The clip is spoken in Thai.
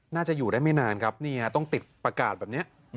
น่าจะอยู่ได้ไม่นานครับนี่ฮะต้องติดประกาศแบบนี้